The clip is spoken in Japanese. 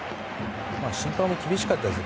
審判も厳しかったです。